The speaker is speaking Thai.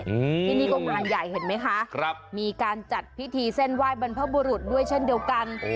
อืมที่นี่ก็งานใหญ่เห็นไหมคะครับมีการจัดพิธีเส้นไหว้บรรพบุรุษด้วยเช่นเดียวกัน